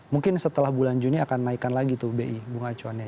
mungkin setelah bulan juni akan naikkan lagi tuh bi bunga acuannya